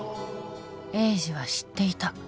栄治は知っていた